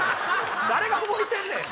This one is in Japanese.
誰が覚えてんねん！